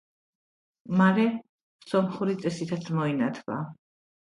მალე სომხური წესითაც მოინათლა.